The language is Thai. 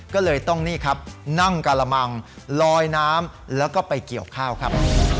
ก็เลยต้องนี่ครับนั่งกระมังลอยน้ำแล้วก็ไปเกี่ยวข้าวครับ